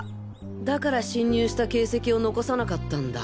だから侵入した形跡を残さなかったんだ。